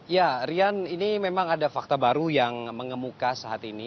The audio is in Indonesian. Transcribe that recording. ya rian ini memang ada fakta baru yang mengemuka saat ini